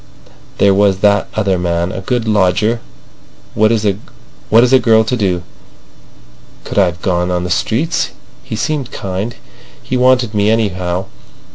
There was that other man—a good lodger. What is a girl to do? Could I've gone on the streets? He seemed kind. He wanted me, anyhow.